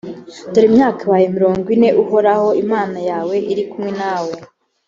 dore imyaka ibaye mirongo ine uhoraho imana yawe ari kumwe nawe